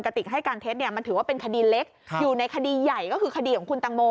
ติกให้การเท็จเนี่ยมันถือว่าเป็นคดีเล็กอยู่ในคดีใหญ่ก็คือคดีของคุณตังโม